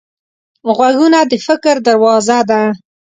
غوږونه د فکر دروازه ده